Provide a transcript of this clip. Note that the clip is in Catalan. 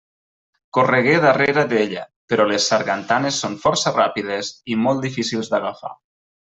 Corregué darrere d'ella, però les sargantanes són força ràpides i molt difícils d'agafar.